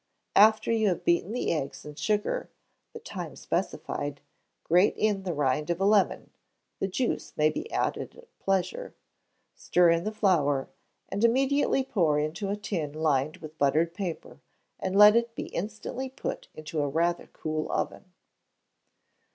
After you have beaten the eggs and sugar the time specified, grate in the rind of a lemon (the juice may be added at pleasure), stir in the flour, and immediately pour it into a tin lined with buttered paper, and let it be instantly put into rather a cool oven.